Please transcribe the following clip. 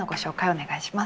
お願いします。